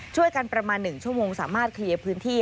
ประมาณ๑ชั่วโมงสามารถเคลียร์พื้นที่